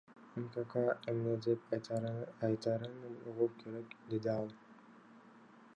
МКК эмне деп айтаарын угуп көрөм, — деди ал.